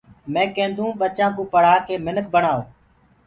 مي ڪينٚدو ٻچآ ڪو پڙهآ ڪي منک بڻآئو